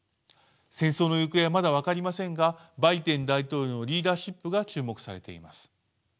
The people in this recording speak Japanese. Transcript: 戦争の行方はまだ分かりませんがバイデン大統領のリーダーシップが注目されています。